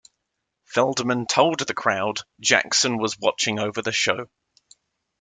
Feldman told the crowd Jackson was watching over the show.